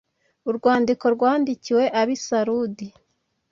urwandiko rwandikiwe ab i sarudi